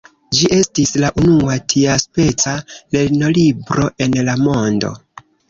Ĝi estis la unua tiaspeca lernolibro en la mondo.